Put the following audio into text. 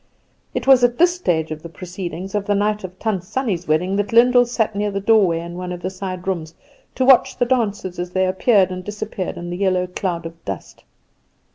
It was at this stage of the proceedings on the night of Tant Sannie's wedding that Lyndall sat near the doorway in one of the side rooms, to watch the dancers as they appeared and disappeared in the yellow cloud of dust.